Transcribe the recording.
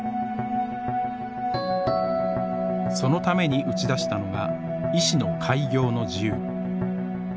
そのために打ち出したのが医師の開業の自由。